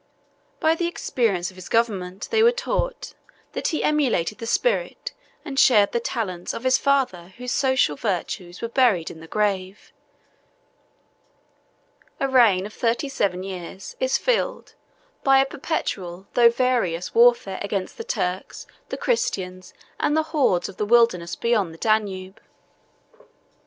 By the experience of his government, they were taught, that he emulated the spirit, and shared the talents, of his father whose social virtues were buried in the grave. A reign of thirty seven years is filled by a perpetual though various warfare against the Turks, the Christians, and the hordes of the wilderness beyond the Danube.